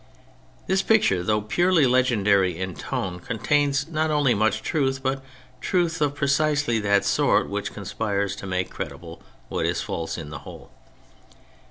This picture, though purely legendary in tone, contains not only much truth, but truth of precisely that sort which conspires to make credible what is false in the whole.